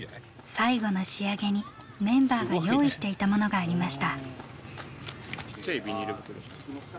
最後の仕上げにメンバーが用意していたものがありました。